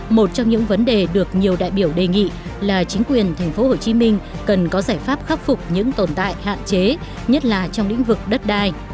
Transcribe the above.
một trong những vấn đề được nhiều đại biểu đề nghị là chính quyền thành phố hồ chí minh cần có giải pháp khắc phục những tồn tại hạn chế nhất là trong lĩnh vực đất đai